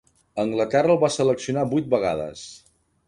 Anglaterra el va seleccionar vuit vegades.